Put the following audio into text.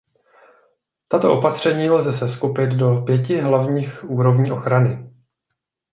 Tato opatření lze seskupit do pěti hlavních úrovní ochrany.